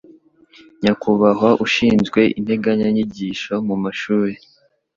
nyakubahwa ushinzwe Integanyanyigisho mu mashuri